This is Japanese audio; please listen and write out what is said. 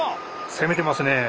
攻めてますね。